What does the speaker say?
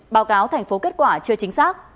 báo cáo thành phố kết quả chưa chính xác